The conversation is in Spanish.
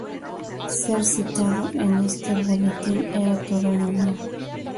Ser citado en este boletín era todo un honor.